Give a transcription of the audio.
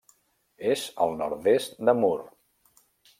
És al nord-est de Mur.